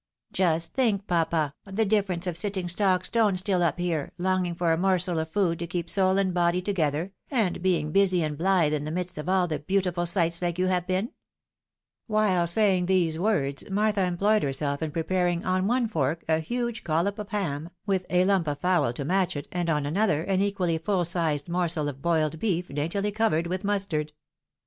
Just think, papa, the difference of sitting stock stone still up here, longing for a morsel of food to keep soul and body together, and being busy and blithe in the midst of aU the beautiful sights like you have been." While saying these words, Martha employed herself in preparing on one fork a huge collop of ham, with a lump of fowl to match it, and on another, an equally full sized morsel of boiled beef, daintily covered with mustard.